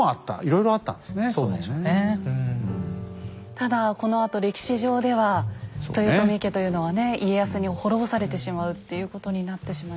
ただこのあと歴史上では豊臣家というのはね家康に滅ぼされてしまうっていうことになってしまいますよね。